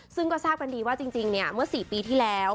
ซึ่งก็ทราบกันดีว่าจริงเนี่ยเมื่อ๔ปีที่แล้ว